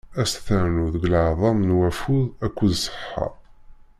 Ad as-ternu deg leɛḍam d wafud akked ṣṣeḥḥa.